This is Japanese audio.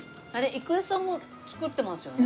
郁恵さんも作ってますよね？